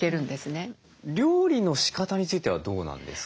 料理のしかたについてはどうなんですか？